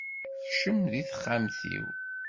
Kcem deg texxamt-iw.